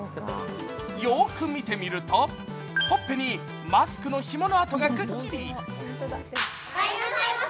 よーく見てみると、ほっぺにマスクのひものあとがくっきり。